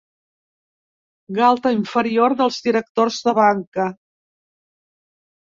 Galta inferior dels directors de Banca.